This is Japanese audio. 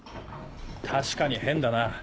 確かに変だな。